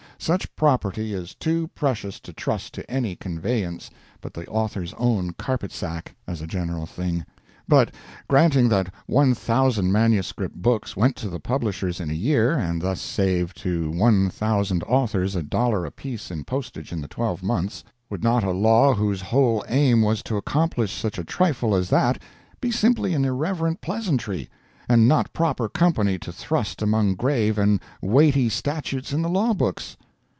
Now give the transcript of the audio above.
Such property is too precious to trust to any conveyance but the author's own carpet sack, as a general thing. But granting that one thousand MS. books went to the publishers in a year, and thus saved to one thousand authors a dollar apiece in postage in the twelve months, would not a law whose whole aim was to accomplish such a trifle as that be simply an irreverent pleasantry, and not proper company to thrust among grave and weighty statutes in the law books?